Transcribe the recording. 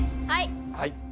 はい。